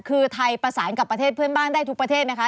คือไทยประสานกับประเทศเพื่อนบ้านได้ทุกประเทศไหมคะ